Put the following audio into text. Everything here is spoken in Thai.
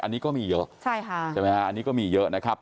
อันนี้ก็มีเยอะใช่ไหมฮะอันนี้ก็มีเยอะนะครับใช่ไหมฮะ